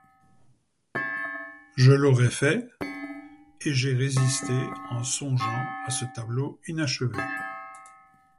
Je l'aurais fait, et j'ai résisté en songeant à ce tableau inachevé.